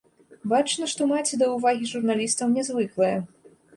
Бачна, што маці да ўвагі журналістаў не звыклая.